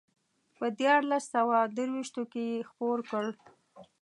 په دیارلس سوه درویشتو کې یې خپور کړ.